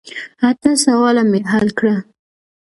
اته سواله مې حل کړه.